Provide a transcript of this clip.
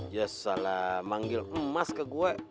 ya salah manggil emas ke gue